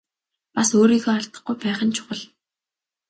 Бас өөрийгөө алдахгүй байх нь чухал.